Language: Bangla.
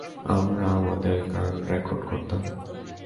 আমরা আমাদের গান রেকর্ড করতাম।